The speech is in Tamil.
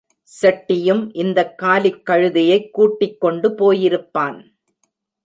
செட்டியும் இந்தக் காலிக் கழுதையைக் கூட்டிக் கொண்டு போயிருப்பான்!